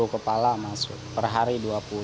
dua puluh kepala masuk per hari dua puluh